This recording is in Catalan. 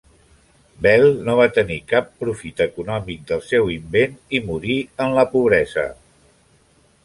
Bell no va tenir cap profit econòmic del seu invent i morí en la pobresa.